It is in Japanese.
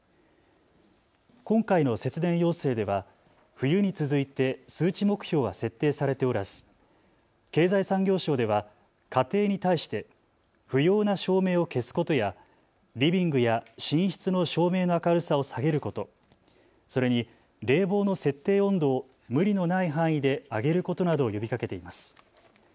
今回の節電要請では冬に続いて数値目標は設定されておらず経済産業省では家庭に対して不要な照明を消すことやリビングや寝室の照明の明るさを下げること、それに冷房の設定温度を無理のない範囲で上げることなどを呼びかけています。